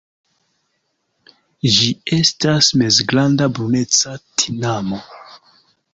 Ĝi estas mezgranda bruneca tinamo.